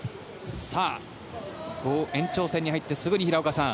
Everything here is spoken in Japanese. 延長戦に入ってすぐに平岡さん